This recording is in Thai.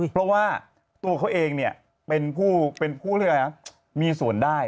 เพราะว่าตัวเขาเองเป็นผู้อะไรนะมีส่วนได้